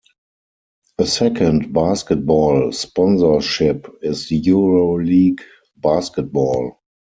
A second basketball sponsorship is Euroleague Basketball.